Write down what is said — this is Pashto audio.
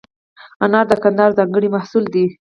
انار د کندهار ځانګړی محصول دی.